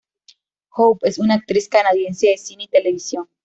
Hope es una actriz canadiense de cine y televisión.